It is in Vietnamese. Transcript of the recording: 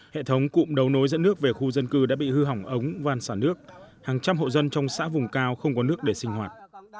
hệ thống cụm đầu nối dẫn nước về khu dân cư đã bị hư hỏng ống van sản nước hàng trăm hộ dân trong xã vùng cao không có nước để sinh hoạt